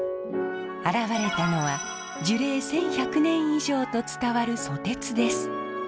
現れたのは樹齢１，１００年以上と伝わる蘇鉄です。